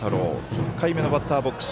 １回目のバッターボックス